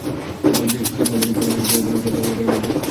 JS যেখানেই থাকে, সেখানেই এই ধরনের শব্দ আমার কানে ভেসে আসে।